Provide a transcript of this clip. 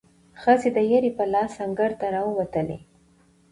ښځې دایرې په لاس انګړ ته راووتلې،